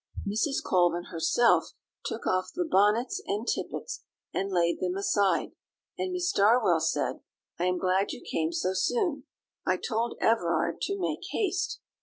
Mrs. Colvin herself took off the bonnets and tippets, and laid them aside; and Miss Darwell said, "I am glad you came so soon; I told Everard to make haste."